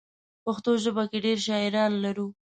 په پښتو ژبه کې ډېر شاعران لرو.